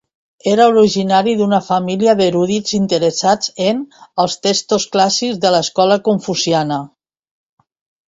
Era originari d'una família d'erudits interessats en els textos clàssics de l'escola confuciana.